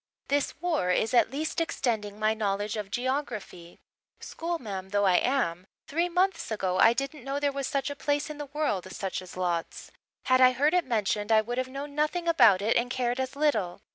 "This war is at least extending my knowledge of geography. Schoolma'am though I am, three months ago I didn't know there was such a place in the world such as Lodz. Had I heard it mentioned I would have known nothing about it and cared as little.